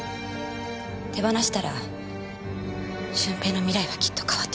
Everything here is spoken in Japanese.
手放したら駿平の未来はきっと変わってしまう。